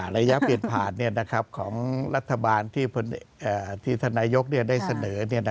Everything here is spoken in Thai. ระยะเปลี่ยนผ่านของรัฐบาลที่ท่านนายกได้เสนอ